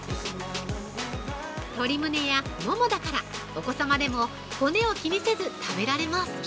◆鶏むねやももだからお子様でも骨を気にせず食べられます。